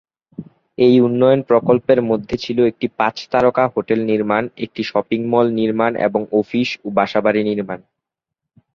এই উন্নয়ন প্রকল্পের মধ্যে ছিল একটি পাঁচ তারকা হোটেল নির্মাণ, একটি শপিং মল নির্মাণ এবং অফিস ও বাসা-বাড়ি নির্মাণ।